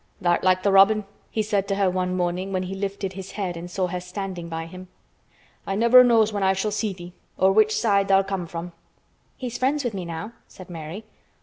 "Tha'rt like th' robin," he said to her one morning when he lifted his head and saw her standing by him. "I never knows when I shall see thee or which side tha'll come from." "He's friends with me now," said Mary.